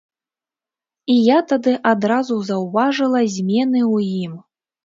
І я тады адразу заўважыла змены ў ім.